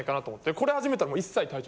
これ始めたら。